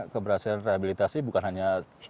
keberhasilan rehabilitasi bukan hanya